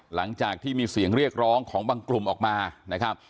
หลังจากที่มีเสียงเรียกร้องของบางกลุ่มออกมานะครับ